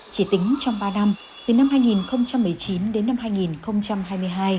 chỉ tính trong ba năm từ năm hai nghìn một mươi chín đến năm hai nghìn hai mươi hai